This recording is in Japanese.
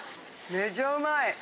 めちゃうまい。